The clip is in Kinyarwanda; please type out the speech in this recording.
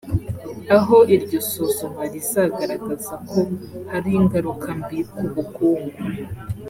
Aho iryo suzuma rizagaragaza ko hari ingaruka mbi ku bukungu